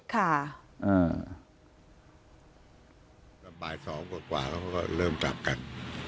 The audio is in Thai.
เสร็จปุ๊บไปเลยค่ะอืมบ่ายสองกว่าเขาก็เริ่มจับกัน